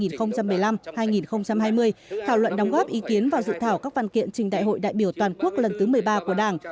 thảo luận đóng góp ý kiến vào dự thảo các văn kiện trình đại hội đại biểu toàn quốc lần thứ một mươi ba của đảng